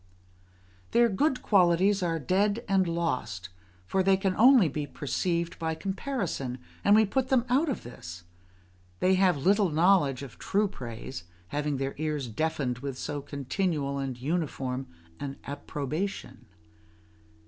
Their good qualities are dead and lost; for they can only be perceived by comparison, and we put them out of this: they have little knowledge of true praise, having their ears deafened with so continual and uniform an approbation.